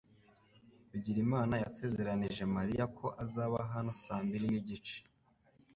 Bigirimana yasezeranije Mariya ko azaba hano saa mbiri nigice .